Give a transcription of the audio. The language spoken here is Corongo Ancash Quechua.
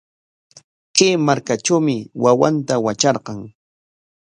Kay markatrawmi wawanta watrarqan.